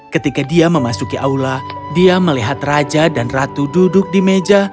ketika dia memasuki aula dia melihat raja dan ratu duduk di meja